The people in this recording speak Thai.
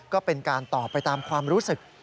ก็เป็นการตอบไปตามความรู้สึก